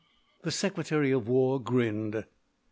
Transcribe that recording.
The Secretary of War grinned.